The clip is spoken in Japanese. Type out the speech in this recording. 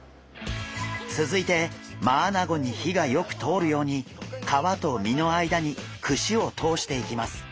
続いてマアナゴに火がよく通るように皮と身の間に串を通していきます。